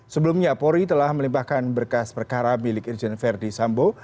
sebelumnya polri telah melimpahkan berkas perkara milik irjen verdi sambo